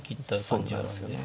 そうなんですよね。